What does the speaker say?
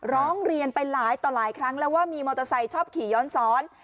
ร้องเรียนไปหลายต่อหลายครั้งแล้วว่ามีมอเตอร์ไซค์ชอบขี่ย้อนสอน